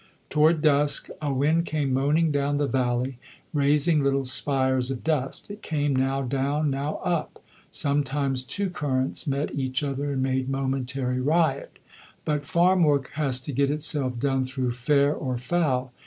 Toward dusk a wind came moaning down the valley, raising little spires of dust. It came now down, now up. Sometimes two currents met each other and made momentary riot. But farm work has to get itself done through fair or foul.